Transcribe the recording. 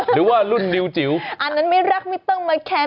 หรือว่ารุ่นนิวจิ๋วอันนั้นไม่รักไม่ต้องมาแค้น